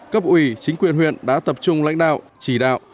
cấp ủy chính quyền huyện đã tập trung lãnh đạo chỉ đạo